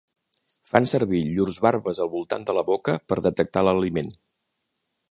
Fan servir llurs barbes al voltant de la boca per detectar l'aliment.